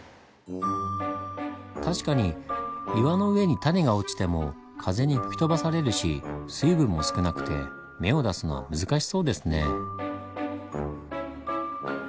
確かに岩の上に種が落ちても風に吹き飛ばされるし水分も少なくて芽を出すのは難しそうですね。